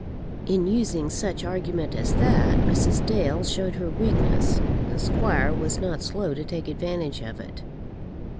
In using such argument as that, Mrs. Dale showed her weakness, and the squire was not slow to take advantage of it.